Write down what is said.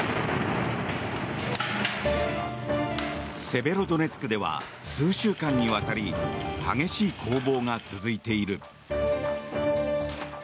セベロドネツクでは数週間にわたり激しい攻防が続いている。